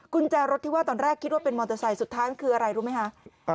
กุญแจรถที่ว่าตอนแรกคิดว่าเป็นมอเตอร์ไซค์สุดท้ายคืออะไรรู้ไหมคะ